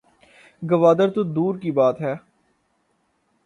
گوادر تو دور کی بات ہے